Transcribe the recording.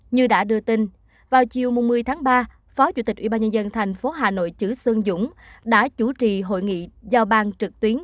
như đã đưa tin vào chiều một mươi tháng ba phó chủ tịch ubnd tp hà nội chử xuân dũng đã chủ trì hội nghị giao bang trực tuyến